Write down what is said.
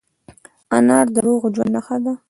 انار د روغ ژوند نښه ده.